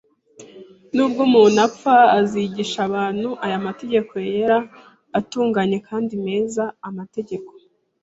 Nubwo umuntu upfa azigisha abantu aya mategeko yera, atunganye kandi meza, amategeko